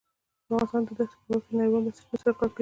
افغانستان د دښتې په برخه کې نړیوالو بنسټونو سره کار کوي.